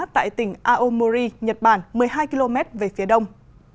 tại tỉnh aomori nhật bản một mươi hai km về phía đông